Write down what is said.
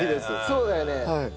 そうだよね。